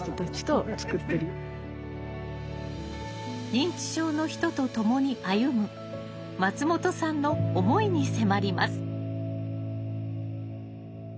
認知症の人と共に歩む松本さんの思いに迫ります。